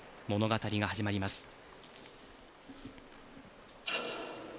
物語が始まります。